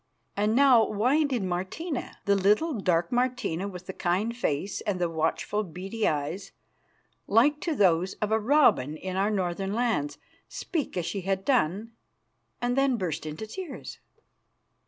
And now why did Martina the little, dark Martina with the kind face and the watchful, beady eyes, like to those of a robin in our northern lands speak as she had done, and then burst into tears?